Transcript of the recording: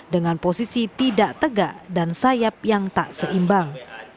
dengan posisi tidak tegak dan sayap yang tak seimbang